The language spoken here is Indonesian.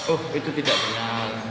oh itu tidak benar